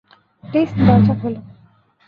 Please, দরজা খোল!